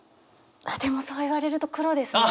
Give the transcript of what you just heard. あっでもそう言われると黒ですね。